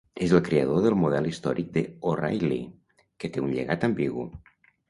És el creador del model històric d'O'Rahilly, que té un llegat ambigu.